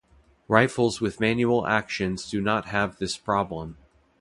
Rifles with manual actions do not have this problem.